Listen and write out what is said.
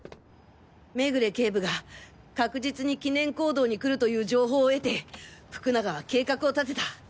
目暮警部が確実に記念講堂に来るという情報を得て福永は計画を立てた。